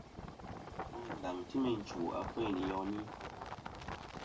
Wul ngaŋ ti meyn chwò afeyn i yoni.